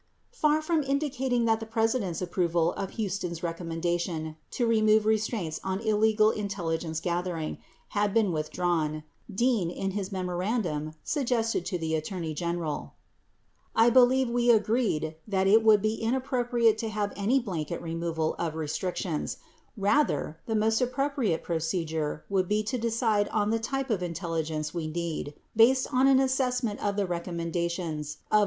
F ar from indicating that the President's approval of Huston's recom mendation to remove restraints on illegal intelligence gathering had been withdrawn, Dean, in his memorandum, suggested to the Attorney I believe we agreed that it would be inappropriate to have any blanket removal of restrictions ; rather, the most appro priate procedure would be to decide on the type of intelligence we need, based on an assessment of the recommendations of 29 Exhibit 37, 3 Hearings 1325 29.